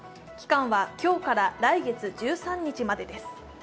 期間は今日から来月１３日までです。